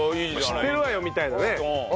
「知ってるわよ」みたいなね。